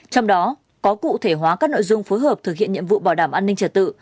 trong đó có cụ thể hóa các nội dung phối hợp thực hiện nhiệm vụ bảo đảm an ninh trật tự